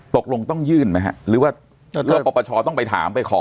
ตกลงต้องยื่นไหมฮะหรือว่าปปชต้องไปถามไปขอ